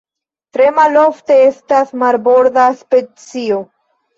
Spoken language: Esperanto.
Tre malofte estas marborda specio.